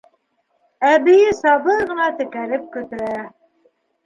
Әбейе сабыр ғына текәлеп көтә.